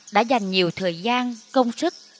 đã dành nhiều thời gian công sức